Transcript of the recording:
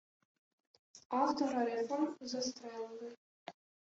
Автора реформ застрелили